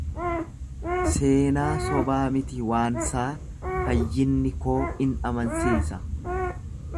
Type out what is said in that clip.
Seenaa sobaa miti waansaa, fayyinni koo in amansiisa.